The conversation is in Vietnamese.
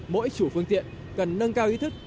mỗi chủ phương tiện cần nâng cao ý thức